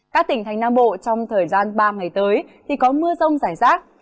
các tỉnh thành nam bộ trong thời gian ba ngày tới thì có mưa rông rải rác